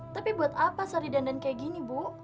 tapi buat apa sari dandan kayak gini bu